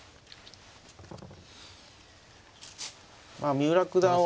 三浦九段は。